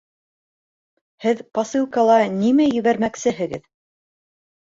Һеҙ посылкала нимә ебәрмәксеһегеҙ?